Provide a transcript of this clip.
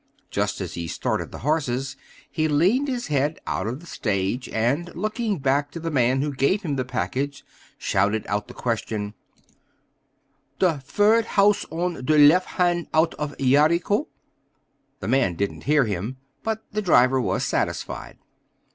Just as he started the horses, he leaned his head out of the stage, and, looking back to the man who gave him the package, shouted out the question: "Ter fird haus on ter lef hant out of Yeriko?" The man didn't hear him, but the driver was satisfied.